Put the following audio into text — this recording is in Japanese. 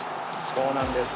そうなんです。